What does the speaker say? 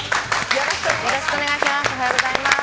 よろしくお願いします。